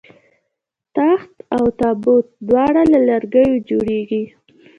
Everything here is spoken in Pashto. تخت او تابوت دواړه له لرګیو جوړیږي